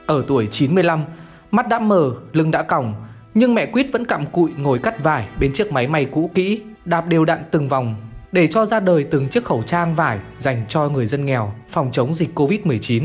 ở tuổi chín mươi năm mắt đã mờ lưng đã còng nhưng mẹ quýt vẫn cặm cụi ngồi cắt vải bên chiếc máy may cũ kỹ đạp đều đặn từng vòng để cho ra đời từng chiếc khẩu trang vải dành cho người dân nghèo phòng chống dịch covid một mươi chín